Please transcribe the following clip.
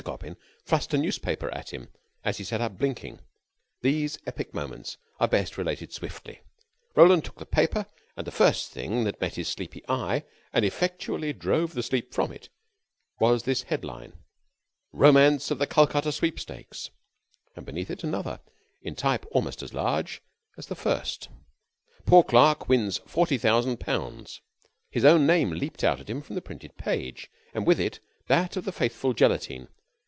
Coppin thrust a newspaper at him, as he sat up blinking. These epic moments are best related swiftly. Roland took the paper, and the first thing that met his sleepy eye and effectually drove the sleep from it was this head line: ROMANCE OF THE CALCUTTA SWEEPSTAKES And beneath it another in type almost as large as the first: POOR CLERK WINS £40,000 His own name leaped at him from the printed page, and with it that of the faithful Gelatine.